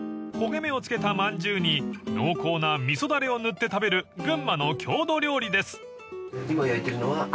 ［焦げ目を付けたまんじゅうに濃厚な味噌だれを塗って食べる群馬の郷土料理です］